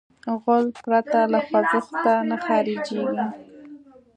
غول پرته له خوځښته نه خارجېږي.